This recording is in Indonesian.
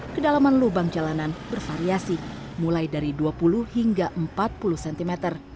kedalaman lubang jalanan bervariasi mulai dari dua puluh hingga empat puluh cm